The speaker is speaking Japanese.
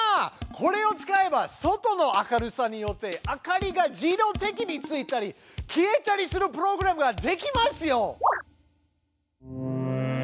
これを使えば外の明るさによって明かりが自動的についたり消えたりするプログラムができますよ。